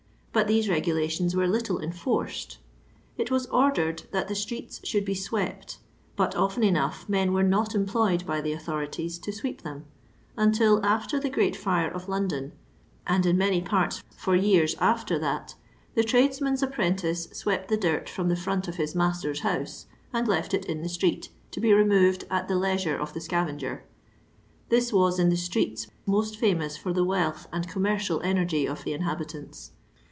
But these regulations were little enforced. It was ordered that the streets should be swept, but often enough men were not employed by the authorities to sweep them ; until afier the great fire of London, and in many parts for years after that, the trades man's apprentice swept the dirt from the front of his master's house, and left it in the street, to be removed at the leisure of the scavenger. Thii was in the streets most foroous for the wealth and commercial energy of the inhabitants.